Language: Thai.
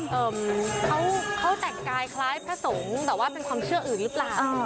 เอ่อเขาแต่งกายคล้ายพระสงฆ์แต่ว่าเป็นความเชื่ออื่นหรือเปล่า